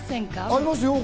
ありますよ。